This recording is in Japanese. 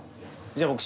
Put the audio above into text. じゃあ僕。